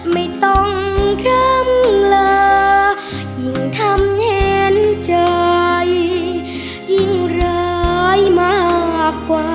ไม่ต้องคล่ำลายิ่งทำเห็นใจยิ่งร้ายมากกว่า